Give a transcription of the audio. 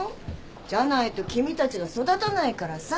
じゃないと君たちが育たないからさ。